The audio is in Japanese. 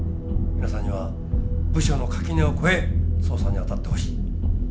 皆さんには部署の垣根を越え捜査に当たってほしい。